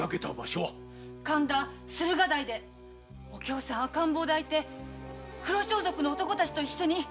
駿河台でお京さん赤ん坊を抱いて黒装束の男たちと一緒に。